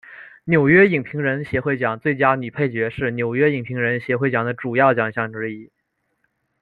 纽约影评人协会奖最佳女配角是纽约影评人协会奖的主要奖项之一。